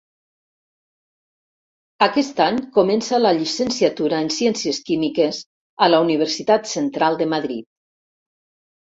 Aquest any comença la llicenciatura en Ciències Químiques a la Universitat Central de Madrid.